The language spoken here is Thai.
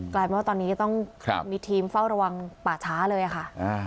กลายเป็นว่าตอนนี้ต้องมีทีมเฝ้าระวังป่าช้าเลยค่ะ